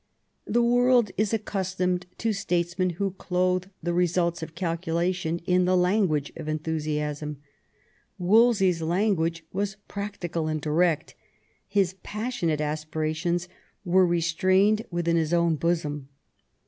The world is accustomed to statesmen who clothe the results of calculation in the language of enthusiasm; Wolsey's language was practical and direct, his passionate aspirations were restrained within his own bosom.